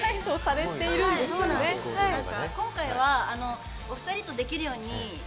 はい、今回はお２人とできるように。